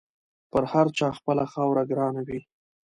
پر هر چا خپله خاوره ګرانه وي.